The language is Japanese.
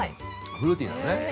◆フルーティーだね。